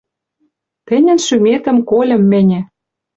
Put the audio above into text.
Тӹнььӹн шӱметӹм колььым мӹньӹ: